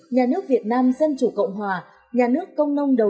nhà nước việt nam dân chủ cộng hòa